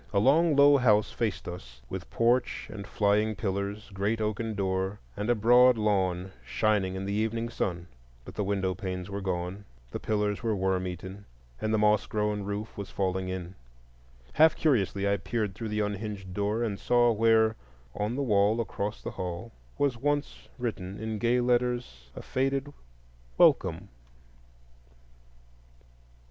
A long low house faced us, with porch and flying pillars, great oaken door, and a broad lawn shining in the evening sun. But the window panes were gone, the pillars were worm eaten, and the moss grown roof was falling in. Half curiously I peered through the unhinged door, and saw where, on the wall across the hall, was written in once gay letters a faded "Welcome."